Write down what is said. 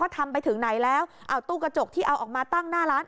ทำไปถึงไหนแล้วเอาตู้กระจกที่เอาออกมาตั้งหน้าร้าน